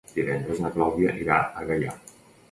Divendres na Clàudia irà a Gaià.